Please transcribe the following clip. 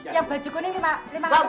yang baju kuning lima kali